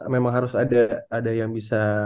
memang harus ada yang bisa